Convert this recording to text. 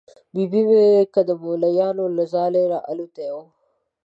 ببۍ مې که د مولیانو له ځالې را الوتې وه.